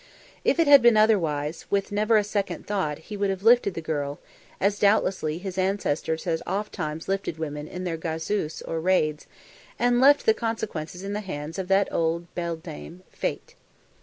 If it had been otherwise, with never a second thought he would have lifted the girl, as doubtlessly his ancestors had oft times lifted women in their gazus or raids, and left the consequences in the hands of that old beldame Fate.